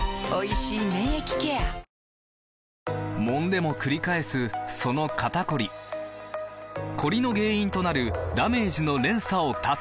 もんでもくり返すその肩こりコリの原因となるダメージの連鎖を断つ！